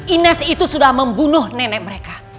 ines itu sudah membunuh nenek mereka